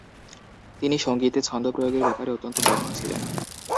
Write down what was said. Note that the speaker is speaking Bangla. তিনি সংগীতে ছন্দ প্রয়োগের ব্যাপারে অত্যন্ত দক্ষ ছিলেন।